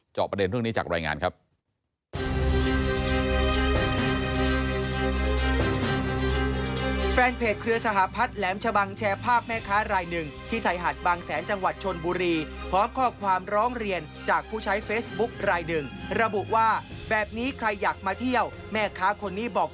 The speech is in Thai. ประเด็นเรื่องนี้จากรายงานครับ